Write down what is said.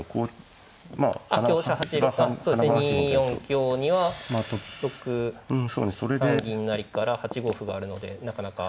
２四香には６三銀成から８五歩があるのでなかなか。